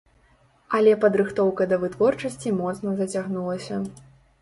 Але падрыхтоўка да вытворчасці моцна зацягнулася.